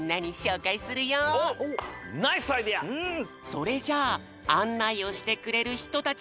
それじゃああんないをしてくれるひとたちをよぶよ！